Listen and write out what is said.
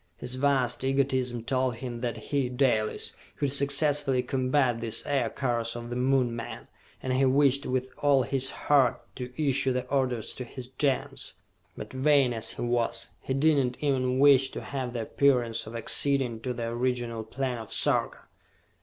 His vast egotism told him that he, Dalis, could successfully combat these Aircars of the Moon men, and he wished with all his heart to issue the orders to his Gens. But, vain as he was, he did not even wish to have the appearance of acceding to the original plan of Sarka!